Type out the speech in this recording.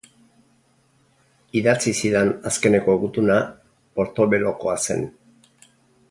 Idatzi zidan azkeneko gutuna Portobellokoa zen.